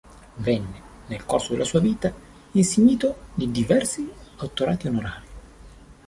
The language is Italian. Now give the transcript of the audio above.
Venne, nel corso della sua vita, insignito di diversi dottorati onorari.